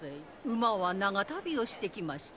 馬は長旅をしてきました